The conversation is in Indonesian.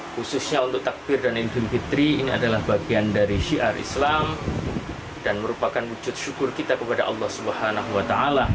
khususnya untuk takbir dan idul fitri ini adalah bagian dari syiar islam dan merupakan wujud syukur kita kepada allah swt